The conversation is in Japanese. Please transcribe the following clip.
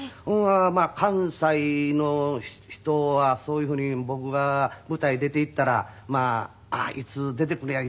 まあ関西の人はそういうふうに僕が舞台出て行ったら「いつ出てくるやろ？